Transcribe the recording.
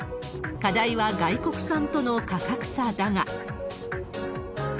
課題は、外国産との価格差だが。